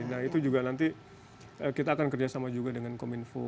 nah itu juga nanti kita akan kerjasama juga dengan kominfo